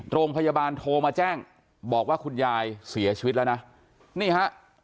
โรงพยาบาลโทรมาแจ้งบอกว่าคุณยายเสียชีวิตแล้วนะนี่ฮะ